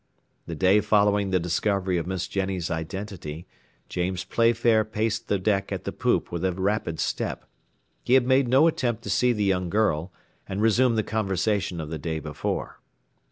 The day following the discovery of Miss Jenny's identity, James Playfair paced the deck at the poop with a rapid step; he had made no attempt to see the young girl and resume the conversation of the day before.